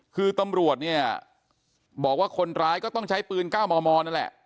คือตำรวจเนี่ยบอกว่าคนร้ายก็ต้องใช้ปืน๙มมนั่นแหละ